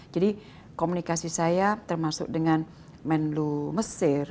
jadi komunikasi saya termasuk dengan menlu mesir